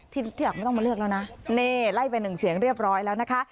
ที่อยากไม่ต้องมาเลือกแล้วนะนี่ไล่ไปหนึ่งเสียงเรียบร้อยแล้วนะคะ